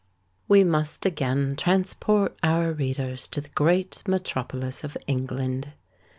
We must again transport our readers to the great metropolis of England.